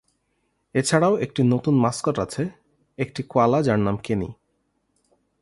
এছাড়াও একটি নতুন মাস্কট আছে, একটি কোয়ালা যার নাম কেনি।